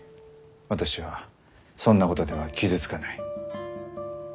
私はそんなことでは傷つかない。